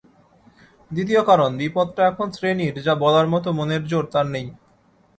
দ্বিতীয় কারণ-বিপদটা এখন শ্রেণীর যা বলার মতো মনের জোর তার নেই।